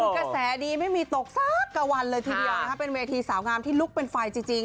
คือกระแสดีไม่มีตกสักกะวันเลยทีเดียวนะครับเป็นเวทีสาวงามที่ลุกเป็นไฟจริง